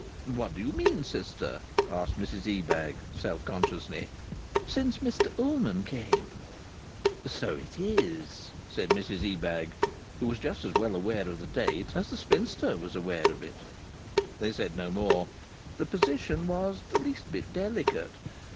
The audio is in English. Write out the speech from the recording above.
"What do you mean, sister?" asked Mrs Ebag, self consciously. "Since Mr Ullman came." "So it is!" said Mrs Ebag, who was just as well aware of the date as the spinster was aware of it. They said no more. The position was the least bit delicate.